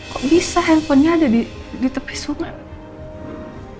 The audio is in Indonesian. kok bisa handphonenya ada di tepi sungai